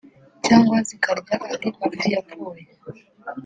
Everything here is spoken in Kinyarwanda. cyangwa zikarya andi mafi yapfuye